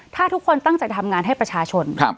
ถ้าทุกคนตั้งใจทำงานให้ประชาชน